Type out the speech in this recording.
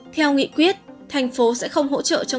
theo nghị quyết thành phố sẽ không hỗ trợ cho người đang hưởng